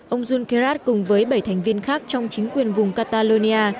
ông junqueirat cùng với bảy thành viên khác trong chính quyền vùng catalonia